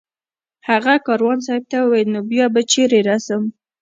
هغه کاروان صاحب ته وویل نو بیا به چېرې رسم